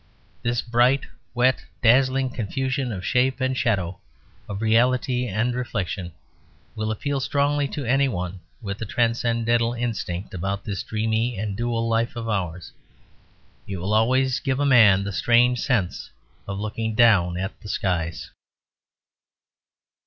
This bright, wet, dazzling confusion of shape and shadow, of reality and reflection, will appeal strongly to any one with the transcendental instinct about this dreamy and dual life of ours. It will always give a man the strange sense of looking down at the skies.